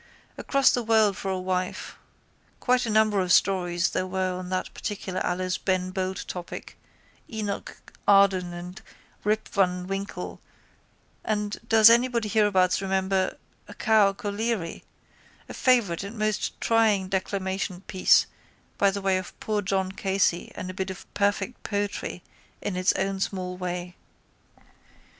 Across the world for a wife. Quite a number of stories there were on that particular Alice Ben Bolt topic, Enoch Arden and Rip van Winkle and does anybody hereabouts remember Caoc O'Leary, a favourite and most trying declamation piece by the way of poor John Casey and a bit of perfect poetry in its own small way.